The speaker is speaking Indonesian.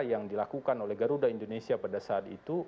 yang dilakukan oleh garuda indonesia pada saat itu